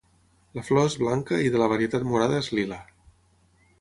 La flor és blanca i de la varietat morada és lila.